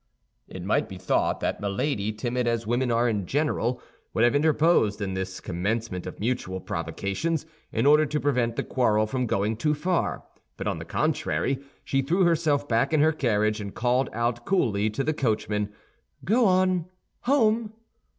It might be thought that Milady, timid as women are in general, would have interposed in this commencement of mutual provocations in order to prevent the quarrel from going too far; but on the contrary, she threw herself back in her carriage, and called out coolly to the coachman, "Go on—home!"